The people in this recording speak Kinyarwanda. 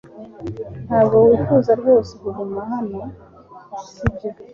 Ntabwo wifuza rwose kuguma hano, sibyo?